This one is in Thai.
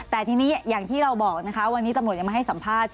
แต่ทีนี้อย่างที่เราบอกนะคะวันนี้ตำรวจยังมาให้สัมภาษณ์